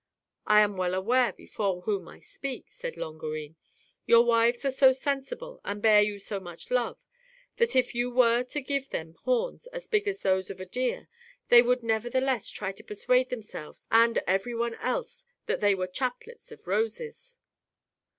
"I am well aware before whom I speak," said Longarine. "Your wives are so sensible and bear you so much love, that if you were to give them horns as big as those of a deer, they would neverthe less try to persuade themselves and every one else that they were chaplets of roses."